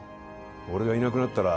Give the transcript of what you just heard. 俺がいなくなったら